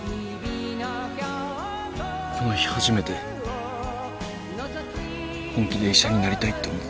この日初めて本気で医者になりたいって思ったんです。